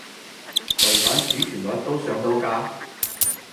違反主旋律都上到架？